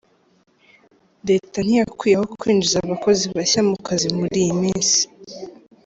Leta ntiyakuyeho kwinjiza abakozi bashya mu kazi muri iyi minsi